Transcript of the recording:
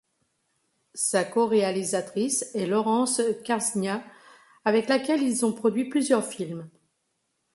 Sa coréalisatrice est Laurence Karsznia, avec laquelle ils ont produit plusieurs films.